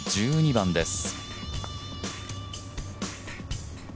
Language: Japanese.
１４番です。